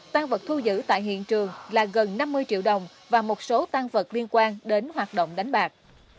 tăng vật thu giữ tại hiện trường là gần năm mươi triệu đồng và một số tăng vật liên quan đến hoạt động đánh bạc